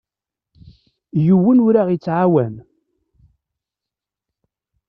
Yiwen ur aɣ-yettɛawan.